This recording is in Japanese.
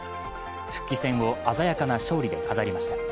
復帰戦を鮮やかな勝利で飾りました。